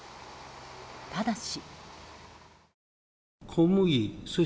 ただし。